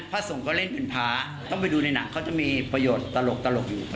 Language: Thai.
ไปฟังหน่อยค่ะ